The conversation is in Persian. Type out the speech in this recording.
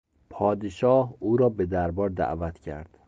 پادشاه او را به دربار دعوت کرد.